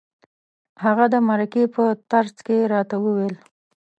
هغه د مرکې په ترڅ کې راته وویل.